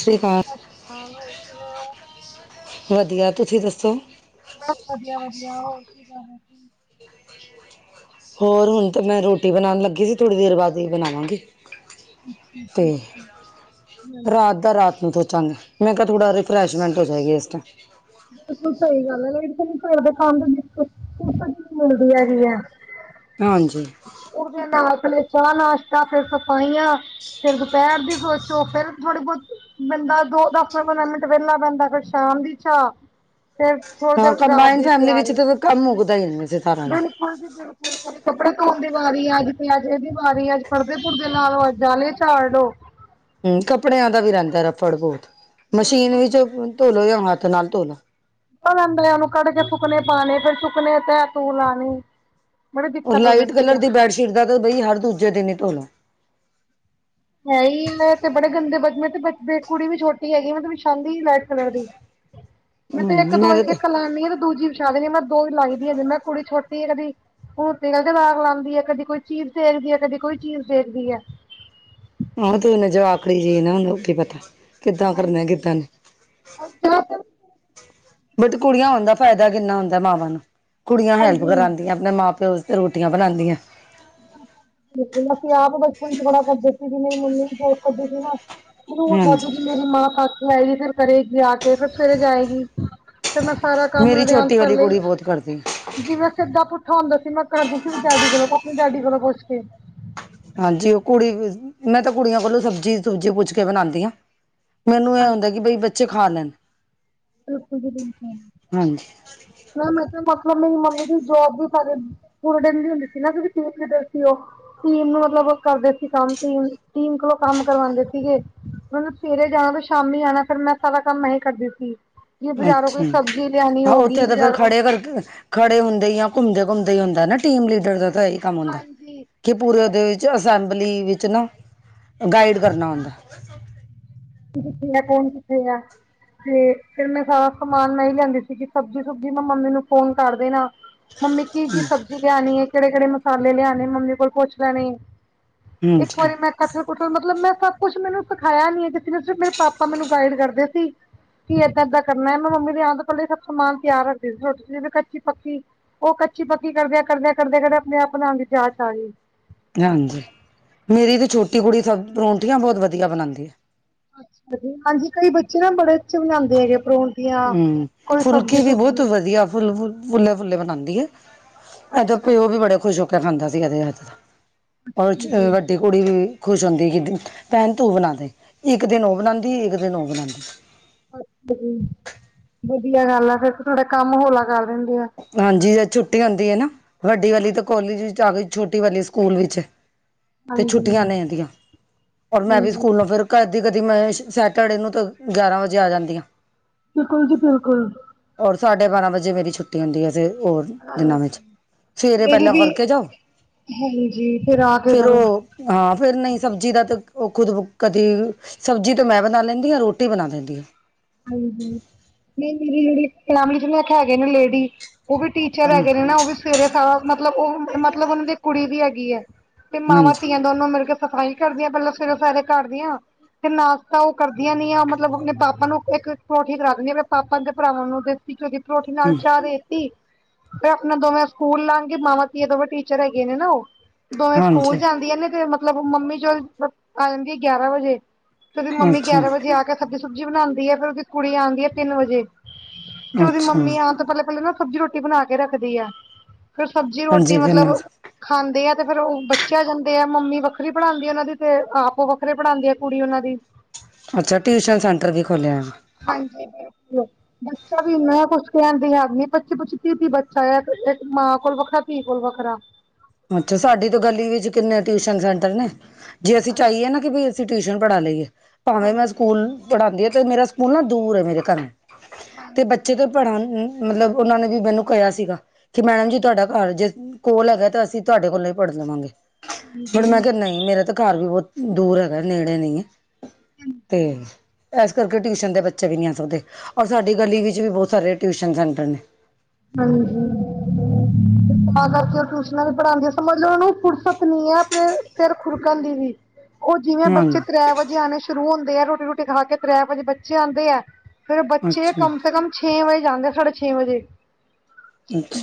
ਸਤਿ ਸ੍ਰੀ ਅਕਾਲ। ਹੈਲੋ ਕਿਵੇਂ ਹੋ? ਵਧੀਆ। ਤੁਸੀਂ ਦੱਸੋ? ਬਸ ਵਧੀਆ- ਵਧੀਆ। ਹੋਰ ਕੀ ਕਰ ਰਹੇ ਸੀ। ਹੋਰ ਹੁਣ ਤਾਂ ਮੈਂ ਰੋਟੀ ਬਣਾਉਣ ਲੱਗੀ ਸੀ। ਥੋੜ੍ਹੀ ਦੇਰ ਬਾਅਦ ਹੀ ਬਣਾਵਾਂਗੀ। ਅੱਛਾ ਤੇ ਅੱਛਾ ਅੱਛਾ। ਰਾਤ ਹਾਂਜੀ ਦਾ ਰਾਤ ਨੂੰ ਚੰਗਾ ਮੈਂ ਕਿਹਾ ਥੋੜਾ ਰਿਫਰੈਸ਼ਮੈਂਟ ਹੋ ਜਾਏਗੀ ਇਸ ਟਾਈਮ। ਬਿਲਕੁਲ ਸਹੀ ਗੱਲ ਹੈ। [unintelligible] ਘਰ ਦੇ ਕੰਮ ਵਿੱਚ ਫੁਰਸਤ ਹੀ ਨਹੀਂ ਮਿਲਦੀ ਹੈਗੀ ਹੈ। ਹਾਂਜੀ। ਉਹਦੇ ਨਾਲ ਪਹਿਲੇ ਚਾਹ ਨਾਸ਼ਤਾ, ਫੇਰ ਸਫਾਈਆਂ। ਫਰ ਦੁਪਹਿਰ ਦੀ ਸੋਚੋ। ਫਿਰ ਥੋੜੀ ਬਹੁਤ ਬੰਦਾ ਦੋ ਦਸ ਮਿੰਟ- ਪੰਦਰਾਂ ਮਿੰਟ ਵਹਲਾ ਬਹਿੰਦਾ। ਫਿਰ ਸ਼ਾਮ ਦੀ ਚਾਹ। ਫੇਰ ਥੋੜੀ ਦੇਰ ਹਾਂ ਬਾਅਦ ਰਾਤ ਕੰਬਾਈਨ ਦੀ ਫੈਮਿਲੀ ਵਿੱਚ ਤਿਆਰੀ। ਤਾਂ ਫਿਰ ਕੰਮ ਮੁੱਕਦਾ ਹੀ ਨਹੀਂ ਵੈਸੇ ਸਾਰਾ ਨੇ ਬਿਲਕੁਲ ਜੀ ਬਿਲਕੁਲ। ਕਦੇ ਕੱਪੜੇ ਧੋ। ਵਾਰੀ ਆਗੀ‌ ਅੱਜ- ਅੱਜ ਇਹ ਦੀ ਵਾਰੀ। ਅੱਜ ਪਰਦੇ ਪੁਰਦੇ ਲਾ ਲਓ‌। ਅੱਜ ਜਾਲੇ ਝਾੜ ਲੋ। ਹ ਕੱਪੜਿਆਂ ਦਾ ਵੀ ਰਹਿੰਦਾ ਰਫੜ ਬਹੁਤ। ਮਸ਼ੀਨ ਬਿਲਕੁਲ ਵਿੱਚ ਜੀ ਧੋਲੋ ਜਾਂ ਹੱਥ ਨਾਲ ਧੋਲੋ। ਅੰਦਰਲਿਆਂ ਨੂੰ ਕੱਢ ਕੇ ਸੁੱਕਨੇ ਪਾਉਣੇ। ਫਿਰ ਸੁੱਕਨੇ ਤੈ ਤੂੰ ਲਾਣੀ। ਬੜੀ ਦਿੱਕਤ ਹੋ ਜਾਂਦੀ ਐ। ਚਿਰਦਾ ਤੇ ਬਈ ਹਰ ਦੂਜੇ ਦਿਨ ਹੀ ਧੋਲਾ। ਹੈ ਹੀ ਮੈਂ ਤੇ ਬੜੇ ਗੰਦੇ ਬੱਚੇ ਤੇ ਕੁੜੀ ਵੀ ਛੋਟੀ ਹੈਗੀ। ਮੈਂ ਤੇ ਵਛਾਂਦੀ ਨਹੀਂ ਲਾਈਟ ਕਲਰ ਦੀ। [unintelligible] ਮੈਂ ਤੇ ਇੱਕ ਦੋ ਹੀ ਮੇਰੇ ਤਾਂ ਇੱਕ ਲਾਂਦੀ ਹਾਂ ਤੇ ਦੂਜੀ ਵੀ ਵਿਛਾ ਦਿੰਦੀ ਆ। ਮੈਂ ਦੋ ਵੀ ਲਾਈ ਦੀ ਆ ਜੇ ਮੈਂ ਕੁੜੀ ਛੋਟੀ ਤੇਲਦੀ। ਹੁਣ ਤੇਲ ਦੇ ਬਾਲ ਲਾਉਦੀ ਹੈ। ਕਦੇ ਕੋਈ ਚੀਜ਼ ਦੇੇਖਦੀ ਹੈ। ਕਦੇ ਕੋਈ ਚੀਜ਼ ਦੇਖਦੀ ਹੈ। ਹੁਣ ਉਹਨੂੰ ਕੀ ਜਵਾਕੜੀ ਜੀ ਨੂੰ ਹੁਣ ਉਹਨੂੰ ਕੀ ਪਤਾ। ਕਿੱਦਾਂ ਕਰਨੇ ਆ, ਹਾਂਜੀ ਕਿੱਦਾਂ ਨਹੀਂ। ਬਟ ਕੁੜੀਆਂ ਹੋਣ ਦਾ ਫਾਇਦਾ ਕਿੰਨਾ ਹੁੰਦਾ ਮਾਵਾਂ ਨੂੰ, ਕੁੜੀਆਂ ਹੈਲਪ ਹਾਂਜੀ ਕਰਾਦੀਆਂ। ਆਪਣੇ ਮਾਂ- ਪਿਓ ਵਾਸਤੇ ਰੋਟੀਆਂ ਬਣਾਉਂਦੀਆਂ। [unintelligible] ਅਸੀਂ ਆਪ ਬਚਪਨ ਚ ਬੜਾ ਕਰਦੇ ਸੀ, ਵੀ ਨਹੀਂ ਮੰਮੀ [unintelligible] [unintelligible] ਨੂੰ ਉਹਣ ਲੱਗਦਾ ਹਾਂਜੀ ਜ ਮੇਰੀ ਮਾਂ ਪਾਥ ਆਏਗੀ, ਫ਼ੇਰ ਕਰੇਵੀ ਆ ਕੇ ਫਿਰ ਸਵੇਰੇ ਜਾਏਗੀ। ਫ਼ਿਰ ਮੈਂ ਸਾਰਾ ਕੰਮ ਮੇਰੀ ਹਜੇ ਛੋਟੀ [unintelligible] ਕਰ ਵਾਲੀ ਲਈ। ਕੁੜੀ ਬਹੁਤ ਕਰਦੀ ਆ। ਜਿਵੇ ਸਿੱਧਾ ਪੁੱਠਾ ਹੁੰਦਾ ਸੀ, ਮੈਂ ਕਰ ਦਿੱਤਾ ਸੀ ਡੈਡੀ ਕੋਲੋਂ ਆਪਣੇ ਡੈਡੀ ਕੋਲੋਂ ਪੁੱਛ ਕੇ। ਹਾਂਜੀ ਉਹ ਕੁੜੀ ਮੈਂ ਤਾਂ ਕੁੜੀਆਂ ਕੋਲੋਂ, ਸਬਜ਼ੀ ਸੁਬਜੀ ਪੁੱਛ ਕੇ ਬਣਾਦੀ ਆ। ਮੈਨੂੰ ਇਹ ਹਾਂਜੀ ਹੁੰਦਾ, ਕਿ ਬਈ ਬੱਚੇ ਖਾ ਲੈਣ। ਬਿਲਕੁਲ ਜੀ ਬਿਲਕੁਲ, ਹਾਂਜੀ ਹਾਂ ਮੈਂ ਤਾਂ ਮਤਲਬ ਮੇਰੀ ਮੰਮੀ ਦੀ ਜੋਬ ਵੀ [unintelligible] ਪੂਰੇ ਦਿਨ ਦੀ ਹੁੰਦੀ ਸੀ ਨਾ, ਕਿਉੰਕਿ ਟੀਮ ਲੀਡਰ ਸੀ ਉਹ। ਟੀਮ ਨੂੰ ਮਤਲਬ ਕਰਦੇ ਸੀ ਕੰਮ, ਟੀਮ ਟੀਮ ਕੋਲੋਂ ਕੰਮ ਕਰਵਾਦੇ ਸੀਗੇ। ਉਹਨੇ ਸਵੇਰੇ ਜਾਣਾ ਤੇ ਸ਼ਾਮੀ ਆਉਣਾ, ਫੇਰ ਮੈਂ ਸਾਰਾ ਕੰਮ ਹੀ ਕਰਦੀ ਸੀ। ਜੇ ਬਾਜ਼ਾਰੋਂ ਅੱਛਾ, ਕੋਈ ਸਬਜ਼ੀ ਲਿਆਣੀ ਹਾਂ ਹੋਗੀ ਉੱਥੇ ਤਾਂ ਫੇਰ ਬਾਜ਼ਾਰੋਂ ਖੜੇ ਕਰਕੇ ਖੜੇ ਹੁੰਦੇ ਹੀ, ਜਾਂ ਘੁੰਮਦੇ- ਘੁੰਮਦੇ ਹੀ ਹੁੰਦਾ ਨਾ ਟੀਮ ਲੀਡਰ ਦਾ ਤਾਂ ਇਹੀ ਕੰਮ ਹੁੰਦਾ, ਹਾਂਜੀ ਕਿ ਪੂਰੇ ਉਹਦੇ ਤੇ ਅਸੈਂਬਲੀ ਵਿੱਚ ਨਾ, ਗਾਈਡ ਕਰਨਾ ਹੁੰਦਾ। ਕੀ ਤੇਰਾ ਫ਼ੋਨ ਕਿੱਥੇ ਆ? ਤੇ ਫਿਰ ਮੈਂ ਸਾਰਾ ਸਮਾਨ ਹੀ ਲਿਆਦੀ ਸੀਗੀ, ਸਬਜ਼ੀ ਸੁਬਜੀ ਮੈਂ ਮੰਮੀ ਨੂੰ ਫੋਨ ਕਰ ਦੇਣਾ। ਮੰਮੀ ਕੀ-ਕੀ ਸਬਜ਼ੀ ਲਿਆਣੀ ਐ, ਕਿਹੜੇ-ਕਿਹੜੇ ਮਸਾਲੇ ਲਿਆਣੇ, ਮੰਮੀ ਕੋਲ ਪੁੱਛ ਲੈਣੇ। ਇੱਕ ਹਾਂਜੀ ਵਾਰੀ ਮੈਂ ਕਠੇ-ਪੁੱਠੇ ਮਤਲਬ ਮੈਂ ਸਭ ਕੁੱਛ ਮੈਨੂੰ ਸਿਖਾਇਆ ਨੀ ਆ, ਜੇ ਸਿਰਫ ਮੇਰੇ ਪਾਪਾ ਮੈਨੂੰ ਗਾਈਡ ਕਰਦੇ ਸੀ। ਕੀ ਏਦਾਂ-ਏਦਾਂ ਕਰਨਾ ਐ, ਮੈਂ ਮੰਮੀ ਦੀ ਆਣ ਤੋਂ ਪਹਿਲਾਂ ਹੀ ਸਭ ਸਮਾਨ ਤਿਆਰ ਰੱਖਦੀ ਸੀ ਰੋਟੀ ਕੱਚੀ-ਪੱਕੀ ਉਹ ਕੱਚੀ ਪੱਕੀ ਕਰਦਿਆਂ ਕਰਦਿਆਂ ਕਰਦਿਆਂ ਕਰਦੇ ਆਪਣੇ ਆਪ ਬਣਾਣ ਦੀ ਜਾਂਚ ਆਗੀ। ਹਾਂਜੀ ਮੇਰੀ ਤੇ ਛੋਟੀ ਕੁੜੀ ਸਬ ਪਰੌਂਠੀਆਂ ਬਹੁਤ ਵਧੀਆ ਬਣਾਦੀ ਆ। ਹਾਂਜੀ ਹਾਂਜੀ ਕਈ ਬੱਚੇ ਨਾ ਬੜੇ ਅੱਛੇ ਬਣਾਦੇ ਹੈਗੇ ਆ ਪ੍ਰੌ ਹਮ ਫੁਲਕੇ ਵੀ ਬਹੁਤ ਵਧੀਆ ਫੁੱਲ ਫੁੱਲੇ-ਫੁੱਲੇ ਬਣਾਦੀ ਐ। ਇਹ ਦਾ ਅੱਛਾ ਪਿਓ ਜੀ ਵੀ ਬੜੇ ਖੁਸ਼ ਹੋ ਕੇ ਖਾਂਦਾ ਸੀ, ਏਹਦੇ ਹੱਥ ਦਾ। ਉਹ ਹਾਂਜੀ ਚ ਵੱਡੀ ਕੁੜੀ ਵੀ ਖੁਸ਼ ਹੁੰਦੀ ਕਿ ਭੈਣ ਤੂੰ ਬਣਾ ਦੇ, ਇੱਕ ਦਿਨ ਉਹ ਬਣਾਦੀ ਇੱਕ ਦਿਨ ਉਹ ਬਣਾਦੀ। ਅੱਛਾ ਜ ਵਧੀਆ ਗੱਲ ਆ, ਫੇਰ ਤਾਂ ਤੁਹਾਡਾ ਕੰਮ ਹੋਲਾ ਕਰ ਦਿੰਦੇ ਆ। ਹਾਂਜੀ ਜਦ ਛੁੱਟੀ ਆਉਂਦੀ ਐ ਨਾ, ਵੱਡੀ ਵਾਲੀ ਤਾਂ ਕੋਲਜ ਵਿੱਚ ਆ ਗਈ, ਛੋਟੀ ਵਾਲੀ ਸਕੂਲ ਵਿੱਚ। ਤੇ ਹਾਂਜੀ ਛੁੱਟੀਆਂ ਨੇ ਏਹਦੀਆਂ ਔਰ ਮੈਂ ਵੀ ਹਾਂਜੀ ਸਕੂਲੋਂ ਫਿਰ ਕਦੀ-ਕਦੀ ਮੈਂ ਸੈਟਰਡੇ ਨੂੰ ਤਾਂ ਗਿਆਰਾਂ ਵਜੇ ਆ ਜਾਂਦੀ ਆ। ਬਿਲਕੁਲ ਜੀ ਬਿਲਕੁਲ। ਔਰ ਸਾਡੇ ਬਾਰਾਂ ਵਜੇ ਮੇਰੀ ਛੁੱਟੀ ਹੁੰਦੀ ਐ, ਫ਼ਿਰ ਔਰ ਦਿਨਾਂ ਵਿੱਚ। ਸਵੇਰੇ ਮੇਰੀ ਪਹਿਲਾਂ ਵੀ ਕਰਕੇ ਜਾਓ, ਹਾਂਜੀ ਫਿਰ ਆ ਕੇ ਫ਼ਿਰ ਕਰੋ ਉਹ ਹਾਂ ਫ਼ਿਰ ਨਹੀਂ ਸਬਜ਼ੀ ਦਾ ਤੇ ਉਹ ਖੁਦ ਕਦੀ ਸਬਜ਼ੀ ਤੇ ਮੈਂ ਬਣਾ ਲੈਂਦੀ ਆ, ਰੋਟੀ ਬਣਾ ਦੇਂਦੀ ਆ। ਹਾਂਜੀ ਨਹੀਂ ਦੀਦੀ ਜਿਹੜੇ ਕਲਾਮੜੀ ਚ ਨੀ ਇੱਕ ਹੈਗੇ ਨੇ ਲੇਡੀ। ਉਹ ਵੀ ਟੀਚਰ ਹੈਗੇ ਨੇ ਨਾ, ਉਹ ਵੀ ਸਵੇਰੇ ਸਾ ਮਤਲਬ ਉਹ ਮਤਲਬ ਉਹਨਾਂ ਦੀ ਕੁੜੀ ਵੀ ਹੈਗੀ ਐ। ਤੇ ਹਾਂਜੀ ਮਾਵਾਂ-ਧੀਆਂ ਦੋਨੋ ਮਿਲ ਕੇ ਸਫ਼ਾਈ ਕਰਦੀਆਂ ਪਹਿਲਾਂ ਸਵੇਰੇ-ਸਵੇਰੇ ਘਰ ਦੀਆਂ ਤੇ ਨਾਸ਼ਤਾ ਉਹ ਕਰਦੀਆਂ ਨੀ ਆ ਮਤਲਬ ਆਪਣੇ ਪਾਪਾ ਨੂੰ ਇੱਕ ਪਰੌਠੀ ਫੜਾ ਦੇਂਦੀ ਆ ਆਪਣੇ ਪਾਪਾ ਤੇ ਭਰਾਵਾਂ ਨੂੰ ਦੇਸੀ ਘਿਉ ਦੀ ਪਰੌਠੀ ਨਾਲ ਹਮ ਚਾਹ ਦੇਤੀ ਫਿਰ ਆਪਣੇ ਦੋਵੇਂ ਸਕੂਲ ਲਾਗੇ, ਮਾਮਾ-ਧੀਆਂ ਦੋਵੇਂ ਟੀਚਰ ਹੈਗੇ ਨੇ ਨਾ ਉਹ। ਦੋਵੇਂ ਸਕੂਲ ਹਾਂਜੀ ਜਾਂਦੀਆਂ ਨੇ ਤੇ ਮਤਲਬ ਮੰਮੀ ਚਲ ਆ ਜਾਂਦੀ ਬ ਗਿਆਰਾਂ ਵਜੇ। ਫਿਰ ਉਹਦੀ ਮੰਮੀ ਅੱਛਾ ਗਿਆਰਾਂ ਵਜੇ ਆ ਕੇ ਸਬਜ਼ੀ ਸੁਬਜ਼ੀ ਬਣਾਦੀ ਐ, ਫੇਰ ਉਹਦੀ ਕੁੜੀ ਆਂਦੀ ਐ ਤਿੰਨ ਵਜੇ ਤੇ ਉਹਦੀ ਅੱਛਾ ਮੰਮੀ ਆਣ ਤੋਂ ਪਹਿਲੇ ਪਹਿਲੇ ਨਾ ਸਬਜ਼ੀ ਰੋਟੀ ਬਣਾ ਕੇ ਰੱਖਦੀ ਆ। ਫਿਰ ਸਬਜ਼ੀ ਰੋਟੀ ਹਾਂਜੀ ਕਿੰਨਾ ਮਤਲਬ- ਖਾਂਦੇ ਆ ਤੇ ਫ਼ਿਰ ਉਹ ਬੱਚੇ ਜਾਂਦੇ ਆ, ਮੰਮੀ ਵੱਖਰੀ ਪੜ੍ਹਾਦੀ ਆ ਉਹਨਾਂ ਦੀ ਤੇ ਆਪ ਉਹ ਵੱਖਰੇ ਪੜ੍ਹਾਦੀ ਆ ਕੁੜੀ ਉਹਨਾਂ ਦੀ। ਅੱਛਾ, ਟਿਊਸ਼ਨ ਸੈਂਟਰ ਵੀ ਖੋਲ੍ਹਿਆ। ਹਾਂਜੀ, ਬਿਲਕੁਲ। ਬੱਚਾ ਵੀ ਮੈਂ ਕੁਛ ਕਹਿਣ ਦੀ ਆ ਪਚੀ ਪਚੀ ਤੀਹ ਤੀਹ ਬੱਚਾ ਇੱਕ ਮਾਂ ਕੋਲ ਵੱਖਰਾ ਇਕ ਧੀ ਕੋਲ ਵੱਖਰਾ। ਅੱਛਾ ਸਾਡੀ ਤੇ ਗਲੀ ਵਿੱਚ ਕਿੰਨੇ ਟਿਊਸ਼ਨ ਸੈਂਟਰ ਨੇ, ਜੇ ਅਸੀਂ ਹਾਂਜੀ ਚਾਹੀਏ ਨਾ ਕਿ ਵੀ ਅਸੀਂ ਟਿਊਸ਼ਨ ਪੜ੍ਹਾ ਲਈਏ ਭਾਵੇਂ ਮੈਂ ਸਕੂਲ ਪੜ੍ਹਾਉਂਦੀ ਤੇ ਮੇਰਾ ਸਕੂਲ ਨਾ ਦੂਰ ਹੈ ਮੇਰੇ ਘਰ ਨੂੰ ਤੇ ਬੱਚੇ ਦੇ ਪੜ੍ਹਾ ਮਤਲਬ ਉਹਨਾਂ ਨੇ ਵੀ ਮੈਨੂੰ ਕਿਹਾ ਸੀਗਾ ਕਿ ਭੈਣ ਜੀ ਤੁਹਾਡਾ ਘਰ ਜੇ ਕੋਲ ਹੈਗਾ ਅਸੀਂ ਤੁਹਾਡੇ ਕੋਲ ਹੀ ਪੜ੍ਹ ਲਵਾਂਗੇ। ਪਰ ਹਾਂਜੀ-ਹਾਂਜੀ, ਮੈਂ ਕਿਹਾ ਨਹੀਂ ਮੇਰਾ ਤੇ ਘਰ ਵੀ ਬਹੁਤ ਦੂਰ ਹੈਗਾ ਨੇੜੇ ਨਹੀਂ ਹੈ ਤੇ ਐਸ ਇਸ ਕਰਕੇ ਟਿਊਸ਼ਨ ਦੇ ਬੱਚੇ ਵੀ ਨਹੀਂ ਆ ਸਕਦੇ, ਔਰ ਸਾਡੀ ਗਲੀ ਵਿੱਚ ਵੀ ਬਹੁਤ ਸਾਰੇ ਟਿਊਸ਼ਨ ਸੈਂਟਰ ਨੇ ਹਾਂਜੀ, ਤਾਂ ਕਰਕੇ ਟਿਊਸ਼ਨਾਂ ਨੂੰ ਪੜ੍ਹਾਉਂਦੇ ਸਮਝ ਲਓ ਉਹਨੂੰ ਫ਼ੁਰਸਤ ਨਹੀਂ ਆਪਣੇ ਸੇਰ ਖੁੜਕਣ ਦੀ ਵੀ ਉਹ ਜਿਵੇਂ ਬੱਚੇ ਹਾਂਜੀ ਤ੍ਰੈ ਵਜੇ ਆਉਣੇ ਸ਼ੁਰੂ ਹੁੰਦੇ ਆ ਰੋਟੀ ਰੋਟੀ ਖਾ ਕੇ ਤ੍ਰੈ ਵਜੇ ਬੱਚੇ ਆਂਦੇ ਆ ਫੇਰ ਬੱਚੇ ਅੱਛਾ ਕਮ ਸੇ ਕਮ ਛੇ ਵਜੇ ਜਾਂਦੇ ਸਾਢੇ ਛੇ ਵਜੇ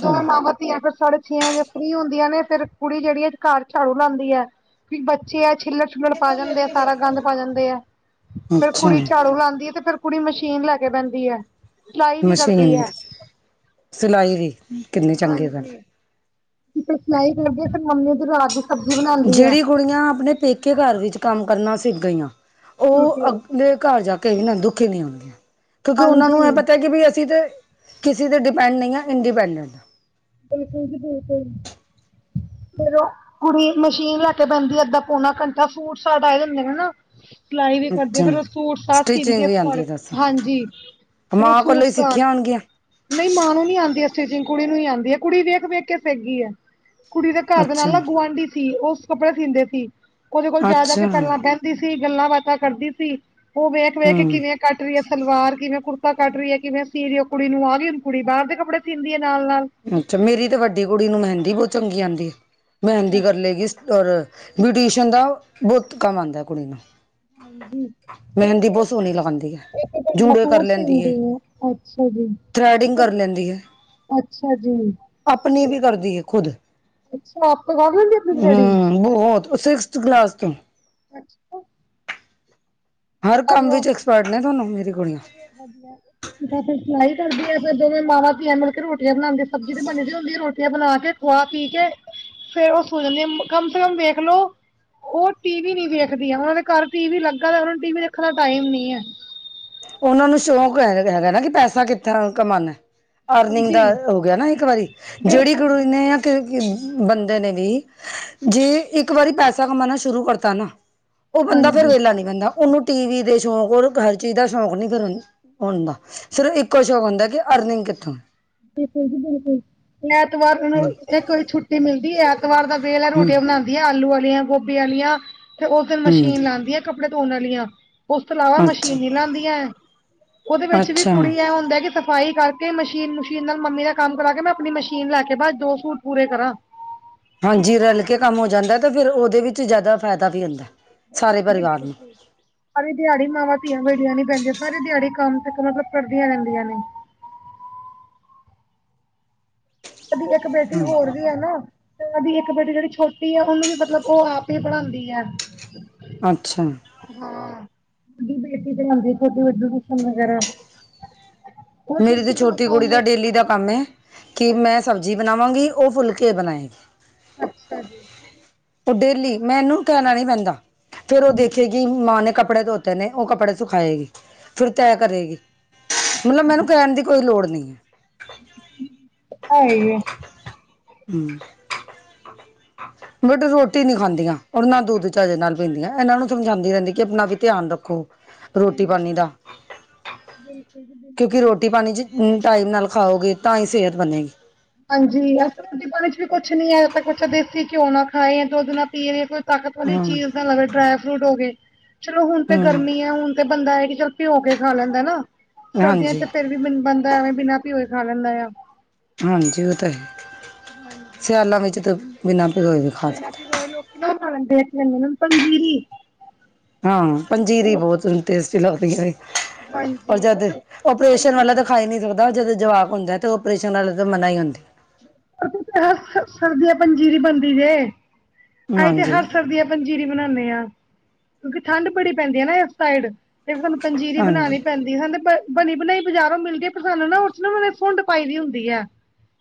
ਦੋ ਮਾਵਾਂ ਧੀਆਂ ਬਸ ਸਾਡੇ ਛੇ ਵਜੇ ਫਰੀ ਹੁੰਦੀਆਂ ਨੇ ਫੇਰ ਕੁੜੀ ਜਿਹੜੀ ਘਰ ਝਾੜੂ ਲਾਉਂਦੀ ਹੈ ਕਿਉਂਕਿ ਬੱਚੇ ਆ ਛਿੱਲਰ ਛਿਲੜ ਪਾ ਜਾਂਦੇ ਆ ਸਾਰਾ ਗੰਦ ਪਾ ਜਾਂਦੇ ਆ ਫਿਰ ਅੱਛਾ ਕੁੜੀ ਝਾੜੂ ਲਾਉਦੀ ਹੈ ਤੇ ਫੇਰ ਕੁੜੀ ਮਸ਼ੀਨ ਲੈ ਕੇ ਵਹਿੰਦੀ ਹੈ ਸਿਲਾਈ ਵੀ ਕਰਦੀ ਮਸ਼ੀਨ ਐ ਸਿਲਾਈ ਵੀ ਕਿੰਨੇ ਚੰਗੇ ਵੈ ਕਿਤੇ ਸਲਾਈ ਕਰਦੀ ਆ ਫੇਰ ਮੰਮੀ ਵੀ ਰਾਤ ਦੀ ਸਬਜ਼ੀ ਬਣਾਉਂਦੀ ਐ ਜਿਹੜੀ ਕੁੜੀਆਂ ਆਪਣੇ ਪੇਕੇ ਘਰ ਵਿੱਚ ਕੰਮ ਕਰਨਾ ਸਿੱਖ ਗਈਆਂ ਉਹ ਬਿਲਕੁਲ। ਅੱਗਲੇ ਘਰ ਜਾ ਕਈ ਨਾ ਦੁਖੀ ਨੀ ਹੁੰਦੀ ਕਿਉਂਕਿ ਉਹਨਾਂ ਹਾਂਜੀ। ਨੂੰ ਏਹ ਪਤਾ ਕਿ ਵੀ ਅਸੀਂ ਤੇ ਕਿਸੇ 'ਤੇ ਡਿਪੈਂਡ ਨਹੀਂ ਆ ਇੰਡੀਪੈਂਡੈਂਟ ਹਾਂ ਬਿਲਕੁਲ ਜੀ ਬਿਲਕੁਲ ਫੇਰ ਓ ਕੁੜੀ ਮਸ਼ੀਨ ਲੈ ਕੇ ਬਹਿੰਦੀ ਅੱਧਾ ਪੌਣਾ ਘੰਟਾ ਸੂਟ ਸਾਟ ਆਏ ਹੁੰਦੇ ਆ ਨਾ ਸਿਲਾਈ ਵੀ ਹਾਂ ਕਰਦੀ ਅੱਛਾ ਫੇਰ ਉਹ ਸੂਟ ਸਾਟ ਸਿੰਦੀ ਸਟਿਚਿੰਗ ਆ ਵੀ ਆਉਂਦੀ ਸਾਰੇ ਹੈ? ਦੱਸ ਹਾਂਜੀ ਫਿਰ ਉਹ ਮਾਂ ਸੂਟ ਕੋਲੋਂ ਸਾਟ ਸਿੱਖੀਆਂ ਹੋਣਗੀਆਂ ਨਹੀਂ ਮਾਂ ਨੂੰ ਨੀ ਆਉਂਦੀ ਸਟਿਚਿੰਗ ਕੁੜੀ ਨੂੰ ਹੀ ਆਂਦੀ ਹੈ ਕੁੜੀ ਵੇਖ ਵੇਖ ਕੇ ਸਿੱਖ ਗਈ ਹੈ ਕੁੜੀ ਦੇ ਘਰ ਦੇ ਨਾਲ ਅੱਛਾ ਨਾ ਗੁਆਂਢੀ ਸੀ ਉਹ ਕੱਪੜੇ ਸੀਂਦੇ ਸੀ ਉਹਦੇ ਕੋਲ ਜਾ ਜਾ ਕੇ ਅੱਛਾ ਪਹਿਲਾਂ ਬਹਿ ਸਿੰਦੀ ਸੀ ਗੱਲਾਂ ਬਾਤਾਂ ਕਰਦੀ ਸੀ ਉਹ ਵੇਖ ਵੇਖ ਹੂੰ ਕਿਵੇਂ ਕੱਟ ਰਹੀ ਹੈ ਸਲਵਾਰ ਕਿਵੇਂ ਕੁੜਤਾ ਕੱਟ ਰਹੀ ਹੈ ਕਿਵੇਂ ਸੀ ਰਹੀ ਕੁੜੀ ਨੂੰ ਆ ਗਈ ਹੁਣ ਕੁੜੀ ਬਾਹਰ ਦੇ ਕੱਪੜੇ ਸੀਂਦੀ ਹੈ ਨਾਲ-ਨਾਲ ਅੱਛਾ ਮੇਰੀ ਤੇ ਵੱਡੀ ਕੁੜੀ ਨੂੰ ਮਹਿੰਦੀ ਬਹੁਤ ਚੰਗੀ ਆਉਂਦੀ ਮਹਿੰਦੀ ਕਰ ਅੱਛਾ। ਲਏਗੀ ਔਰ ਬਿਊਟੇਸ਼ਨ ਦਾ ਬਹੁਤ ਕੰਮ ਆਂਦਾ ਕੁੜੀ ਨੂੰ ਹਾਂਜੀ ਮਹਿੰਦੀ ਬਹੁਤ ਸੋਹਣੀ ਲਗਾਉਂਦੀ ਏ ਕੀਤੇ ਤੁਹਾਡਾ ਸੂਟ ਸੀਂਦੀ ਏ ਅੱਛਾ ਜੀ ਥਰੈਡਿੰਗ ਕਿਤੇ ਕਰ ਲੈਂਦੀ ਹੈ ਅੱਛਾ ਜੀ ਆਪਣੀ ਵੀ ਕਰਦੀ ਏ ਖੁਦ ਅੱਛਾ ਆਪ ਕਰ ਲੈਂਦੀ ਆਪਣੀ ਥਰੈਡਿੰਗ। ਹੂੰਮ ਬਹੁਤ ਓ ਸਿਕਸ ਕਲਾਸ ਤੋਂ ਅੱਛਾ ਹਰ ਕੰਮ ਵਿੱਚ ਐਕਸਪਰਟ ਨੇ ਦੋਨੋਂ ਮੇਰੀ ਕੁੜੀਆਂ ਅੱਛਾ ਜੀ ਜਾਂ ਫਿਰ ਸਿਲਾਈ ਕਰਦੇ ਆ ਫੇਰ ਦੋਵੇਂ ਮਾਵਾਂ ਧੀਆਂ ਮਿਲ ਕੇ ਰੋਟੀਆਂ ਬਣਾਉਂਦੇ ਸਬਜ਼ੀ ਤੇ ਬਣੀ ਹੁੰਦੀ ਏ ਰੋਟੀਆਂ ਬਣਾ ਕੇ ਖਾ ਪੀ ਕੇ ਫਿਰ ਉਹ ਸੋ ਜਾਂਦੀਆਂ ਕਮ ਸੇ ਕਮ ਵੇਖਲੋ ਉਹ ਟੀ ਵੀ ਨੀ ਦੇਖਦੀਆਂ ਉਹਨਾ ਦੇ ਘਰ ਟੀ ਵੀ ਲੱਗਾ ਤਾਂ ਹੈ ਉਹਨਾ ਨੂੰ ਟੀ ਵੀ ਦੇਖਣ ਦਾ ਟਾਈਮ ਨਹੀਂ ਹੈ ਓਨਾਂ ਨੂੰ ਸ਼ੌਂਕ ਹੈਗਾ, ਹੈਗਾ ਨਾ ਕਿ ਪੈਸਾ ਕਿੱਦਾਂ ਕਮਾਨੈ। ਅਰਨਿੰਗ ਦਾ ਹਾਂਜੀ ਹੋ ਗੇਆ ਨਾ ਇੱਕ ਵਾਰੀ, ਜੇੜੀ ਬਿਲਕੁਲ ਕੁੜੀ ਨੇ ਬਿਲਕੁਲ ਆਕੇ ਬੰਦੇ ਨੇ ਦੀ, ਜੇ ਇੱਕ ਵਾਰੀ ਪੈਸਾ ਕਮਾਨਾ ਸ਼ੁਰੂ ਕਰਤਾ ਨਾ ਓ ਬੰਦਾ ਫੇਰ ਹਾਂਜੀ ਵੈਲਾ ਨੀ ਬੈਂਦਾ, ਓਨੂੰ ਟੀ ਵੀ ਦੇ ਸ਼ੌਕ, ਓਨੂ ਹਰ ਚੀਜ ਦਾ ਸ਼ੌਕ ਨੀ ਫੇਰ ਹੁਨ ਹੁੰਦਾ, ਸਿਰਫ ਇੱਕੋ ਸ਼ੌਕ ਹੁੰਦੈ ਕਿ ਅਰਨਿੰਗ ਕਿੱਥੋਂ ਐ। ਬਿਲਕੁਲ ਜੀ ਬਿਲਕੁਲ। ਐਤਵਾਰ ਨੂੰ ਹਮ ਇੱਕ ਛੁੱਟੀ ਮਿਲਦੀ ਏ, ਐਤਵਾਰ ਦਾ ਵੇਲ ਐ ਹਮ ਰੋਟੀਆਂ ਬਨਾਨ ਆਲੂ ਵਾਲੀਆਂ, ਗੋਬੀ ਆਲੀਆਂ ਤੇ ਓ ਫਿਰ ਹਮ ਮਸ਼ੀਨ ਲਾਂਦੀਆਂ ਕੱਪੜੇ ਧੋਣ ਅਲੀਆਂ। ਉਸ ਤੋਂ ਇਲਾਵਾ ਅੱਛਾ ਮਸ਼ੀਨੀ ਨੀ ਲਾਂਦੀਆਂ ਐ, ਓਦੇ ਵਿੱਚ ਵੀ ਅੱਛਾ ਕੁੜੀ ਐ ਹੁੰਦੈ ਕਿ ਸਬ ਸਫਾਈ ਕਾਰਕੇ ਮਸ਼ੀਨ-ਮਸ਼ੀਨ ਨਾਲ ਮੰਮੀ ਦਾ ਕਾੰਮ ਕਰਾ ਕੇ, ਮੈਂ ਅਪਨੀ ਮਸ਼ੀਨ ਲਾਕੇ ਬਾੱਸ ਦੋ ਸੂਟ ਪੂਰੇ ਕਰਾਂ। ਹਾਂਜੀ, ਰਲ ਕੇ ਕਾੰਮ ਹੋ ਜਾਂਦੈ, ਤੇ ਫਿਰ ਓਦੇ ਵਿੱਚ ਜਾਦਾ ਫੈਦਾ ਵੀ ਹੁੰਦੈ। ਬਿਲਕੁਲ ਜੀ ਬਿਲਕੁਲ। ਸਾਰੀ ਦੇਹਾੜੀ ਮਾਵਾਂ-ਧੀਆਂ ਵੇਲੀਆਂ ਨੀ ਬੈਂਦੀਆਂ, ਸਾਰੀ ਦੇਹਾੜੀ ਕਾੰਮ ਤੇ ਮਤਲਬ ਕਰਦੀਆਂ ਰੈਂਦੀਆਂ ਨੇ। ਏਦੀ ਏੱਕ ਬੇਟੀ ਹੂੰ ਹੋਰ ਵੀ ਹੈ ਨਾ, ਤੇ ਓਦੀ ਇੱਕ ਬੇਟੀ ਜੇੜੀ ਛੋਟੀ ਐ, ਓਨੂੰ ਵੀ ਮਤਲਬ ਓ ਆਪ ਈ ਪੜਾਂਦੀ ਐ। ਅੱਛਾ। ਹਾਂ, ਵੱਡੀ ਬੇਟੀ ਤੇ ਲਾਂਦੀ ਫਿਰਦੀ ਏ, ਅੱਗੇ ਟਿਊਸ਼ਨ ਵਗੈਰਾ। ਉਹ ਮੇਰੀ ਤੇ ਕੋਲੋਂ ਛੋਟੀ ਕੁੜੀ ਕੰਮ ਦਾ ਡੇਲੀ ਦਾ ਕਾੰਮ ਏ, ਕਿ ਮੈਂ ਹਾਂਜੀ ਸਬਜ਼ੀ ਬਨਾਵਾਂਗੀ ਓ ਫੁਲਕੇ ਬਨਾਏਗੀ। ਅੱਛਾ ਜੀ। ਤੇ ਡੇਲੀ ਮੈਂਨੂੰ ਕੈਨਾ ਨੀ ਪੈਂਦਾ, ਫੇਰ ਓ ਦੇਖੇਗੀ, ਮਾਂ ਨੇ ਕੱਪੜੇ ਧੋਤ ਤੇ ਨੇ, ਓ ਕੱਪੜੇ ਸੁਖਾਏਗੀ, ਫਿਰ ਤੈਅ ਕਰੇਗੀ, ਮਤਲਬ ਮੈਨੂੰ ਕਹਿਣ ਦੀ ਕੋਈ ਲੋੜ ਨਈ ਐ। ਆਈ ਏ ਹੂੰ। ਬੱਟ ਰੋਟੀ ਨੀ ਖਾਂਦੀਆਂ, ਔਰ ਨਾ ਦੁੱਧ ਚਾੱਜ ਨਾਲ ਪੀਂਦੀਆਂ, ਐਨਾਂ ਨੂੰ ਸਮਝਾਂਦੀ ਰੈਂਦੀ ਕਿ ਅਪਨਾ ਵੀ ਧੇਆਨ ਰੱਖੋ। ਰੋਟੀ ਪਾਨੀ ਹਾਂਜੀ ਦਾ, ਬਿਲਕੁਲ ਜੀ ਕਿਉਂਕਿ ਬਿਲਕੁਲ ਰੋਟੀ-ਪਾਨੀ ਚ ਹੂੰ ਟਾਈਮ ਨਾਲ ਖਾਓਗੇ ਤਾਂ ਈ ਸੇਹਤ ਬੱਨੇਗੀ। ਹਾਂਜੀ, ਐਸੀ ਰੋਟੀ-ਪਾਨੀ ਚ ਵੀ ਕੁੱਛ ਨੀ ਐ, ਤਾ ਕੁੱਛ ਦੇਸੀ ਘੇਓ ਨਾ ਖਾਏ ਯਾ ਦੁੱਧ ਨਾ ਪੀਵੇ, ਕੁੱ ਤਾਕਤ ਵਾਲੀ ਹੂੰ, ਚੀਜ ਨਾ ਲਵੇ, ਡਰਾਏ ਫਰੂਟ ਹੋਗੇ ਚਲੋ ਹੁਨ ਤੇ ਹੂੰ, ਗਰਮੀ ਏ, ਹੁਨ ਤੇ ਬੰਦਾ ਐ ਕਿ ਚੱਲ ਭੇਓ ਕੇ ਖਾ ਲੈਂਦਾ ਨਾ, ਸਰਦੀਆਂ ਹਾਂਜੀ, ਤੇ ਫਿਰ ਵੀ ਬਨ ਬੰਦਾ ਐਵੇ ਬਿਨਾ ਭਿਓਏ ਖਾ ਲੈਂਦਾ ਆ। ਹਾਂਜੀ, ਓ ਤਾ ਹੈ, ਸਿਆਲਾਂ ਵਿੱਚ ਤੇ ਬਿਨਾ ਭਿਓਏ ਬਿਨਾ ਭਿਗੋਏ ਲੋਕੀ ਨਾ ਓ ਖਾ ਲੈਂਦੇ ਐ, [unintelligible] ਪੰਜੀਰੀ। ਹਾਂ, ਪੰਜੀਰੀ ਬੋਤ ਟੇਸਟੀ ਲੱਗਦੀ ਏ। ਔਰ ਜਦ ਓਪਰੇਸ਼ਨ ਵਾਲੇ ਤਾ ਖਾ ਨੀ ਸਕਦੇ। ਬਾ ਜਦੋਂ ਜਵਾਕ ਹੁੰਦੈ, ਤੇ ਓ ਔਪਓਰੇਸ਼ਨ ਆਲੇ ਤੇ ਮੱਨਾ ਈ ਹੁੰਦੈ। ਅਸੀ ਤੇ ਹਰ ਸ ਸਰਦੀਆਂ ਪੰਜੀਰੀ ਬਨਦੀ ਜੇ, ਅਈ ਤੇ ਹਾਂਜੀ, ਹਰ ਸਰਦੀਆਂ ਪੰਜੀਰੀ ਬਨਾਨੇ ਆਂ ਕਿਉਂਕਿ ਠਾੰਡ ਬੜੀ ਪੈਂਦੀ ਏ ਨਾ, ਇਸ ਸਾਈਡ। ਫੇਰ ਸਾਨੂੰ ਪੰਜੀਰੀ ਹਾਂਜੀ। ਬਨਾਨੀ ਪੈਂਦੀ, ਹਨਾ ਪੈ ਬਨੀ ਬਨਾਈ ਬਜ਼ਾਰੋਂ ਮਿਲਦੀ ਏ, ਪਰ ਸਾਨੂੰ ਨਾ ਉਚ ਨਾ ਓਨੇ ਸੁੰਡ ਪਾਈ ਦੀ ਹੁੰਦੀ ਐ।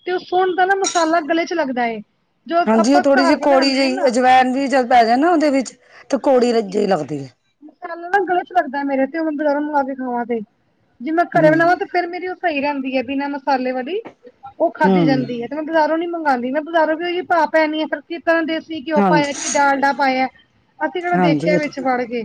ਤੇ ਓ ਸੁੰਡ ਦਾ ਨਾ ਮਸਾਲਾ ਗਲੇ ਚ ਲੱਗਦਾ ਏ। ਜੋ ਹਾਂਜੀ, ਓ ਆਪਾਂ ਥੋੜੀ ਘਰ ਜੀ ਕੋੜੀ ਬਣਾਉਂਦੇ ਹਾਂ ਜਈ, ਨਾ ਅਜਵੈਨ ਵੀ ਜਦ ਪੈ ਜਾਏ ਨਾ ਓਦੇ ਵਿੱਚ ਤੇ ਕੋੜੀ ਲ ਜੇਈ ਲੱਗਦੀ ਏ। ਮਸਾਲਾ ਨਾ ਗਲੇ ਚ ਲੱਗਦੈ ਮੇਰੇ ਤੇ ਹੁਨ ਬਜ਼ਾਰੋ ਮੰਗਾ ਕੇ ਖਾਵਾਂ ਤੇ, ਜੇ ਮੈਂ ਘਰੇ ਹੂੰ, ਬਨਾਵਾਂ ਤੇ ਫੇਰ ਮੇਰੀ ਓ ਸਈ ਰੈਂਦੀ ਏ, ਬਿਨਾਂ ਮਸਾਲੇ ਵਾਲੀ, ਓ ਖਾੱਦੀ ਹੂੰ, ਜਾਂਦੀ ਏ। ਤੇ ਮੈਂ ਬਾਜ਼ਾਰੋਂ ਨੀ ਮੰਗਾਦੀ ਮੈਂ ਬਜ਼ਾਰੋਂ ਵੀ ਓਈ ਡਾਅ ਪੈਨੀ ਏ, ਫੇਰ ਕਿਤਾ ਦੇਸੀ ਘੇਉ ਹਾਂਜੀ, ਪਾਏਐ ਕਿ ਡਾਲਡਾ ਪਾਏਐ, ਅਸੀ ਕੈੜਾ ਹਾਂਜੀ ਦੇਖੇਐ ਉਹ ਤੇ ਵਿੱਚ ਵਾੜ ਕੇ।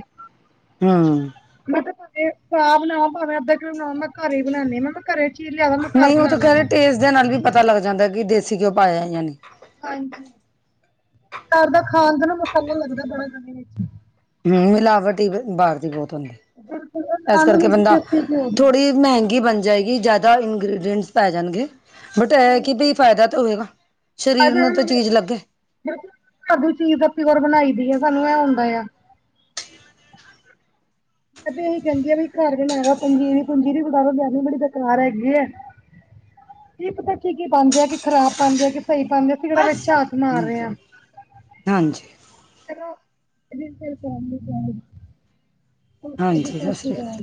ਹੂੰ। ਮੈਂ ਕੇਆ ਭਾਵੇਂ ਪਾ ਬਨਾਵਾਂ, ਭਾਵੇਂ ਅੱਧਾ ਕਿਲੋਂ ਬਨਾਵਾਂ, ਮੈਂ ਘਰੇ ਈ ਬਨਾਨੀ, ਮੈਂ ਤ ਘਰੇ ਚੀਜ ਲੇਆਦੋ, ਮੈਂ ਘਾਰ ਬਨਾ ਲਾਂਗੀ। ਜਾ ਨਾਲ ਵੀ ਪਤਾ ਲਾੱਗ ਜਾਂਦੈ ਕਿ ਦੇਸੀ ਘੇਓ ਪਾਏਆ ਯਾ ਨਈ। ਹਾਂਜੀ, ਘਾਰ ਦਾ ਖਾਨ ਦਾ ਨਾ ਮਸਾਲਾ ਲੱਗਦਾ ਬੜਾ ਗਲੇ ਇਚ। ਹੂੰ, ਮਿਲਾਵਟ ਈ ਬਾਰ ਦੀ ਬੋਤ ਹੁੰਦੀ, ਬਿਲਕੁਲ ਐਸ ਖਾਣੂ ਕਾਰਕੇ ਨਹੀਂ ਬੰਦਾ, ਦਿੱਤੇ ਸੀ ਘਿਓ ਦੀ ਥੋੜੀ ਮੈਹੰਗ ਗੀ ਬਾੱਨ ਜਾਏਗੀ, ਜਾਦਾ ਇੰਗ੍ਰਡੀਂਟੇਂਸ ਪੈ ਜਾਨਗੇ ਬਟ ਐ, ਐ ਕਿ ਬਈ ਫੈਦਾ ਤੇ ਹੋਏਗਾ। ਸਰੀਰ ਨੂੰ ਅਗਰ ਤਾਂ ਚੀਜ਼ ਲੱਗੇ। [unintelligible] ਘਾਰ ਦੀ ਚੀਜ ਤਾਂ ਪੇਓਰ ਬਨਾਈ ਦੀ ਆ, ਸਾਨੂੰ ਐ ਹੁੰਦਾ ਆ। ਮੈਂ ਤੇ ਐਈ ਕੈਂਦੀ ਆ ਵੀ ਘਾਰ ਬਨਾ ਲਾ ਪੰਜੀਰੀ-ਪੰਜੀਰੀ ਬਜਾਰੋ ਲੇਆਂਨੀ, ਬੜੀ ਬੇਕਾਰ ਹੈਗੀ ਐ। ਕੀ ਪਤਾ ਕੀ-ਕੀ ਪਾਂਦੇ ਆ ਕੀ ਖਰਾਬ ਪਾਂਦੇ ਆ, ਕਿ ਸਈ ਪਾਂਦੇ ਆ, ਅਸੀ ਕੈੜਾ ਵਿੱਚ ਆ ਮਾਰ ਹੂੰ, ਰਹੇ ਹਾਂਜੀ। [inaudible] ਓਕੇ ਜੀ ਹਾਂਜੀ, ਸਤਿ ਸ਼੍ਰੀ ਸਸ਼੍ਰੀ ਅਕਾਲ ਕਾਲ।